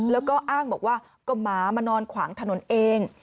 แล้วก็อ้างบอกว่าก็หมามานอนขวางถนนเอง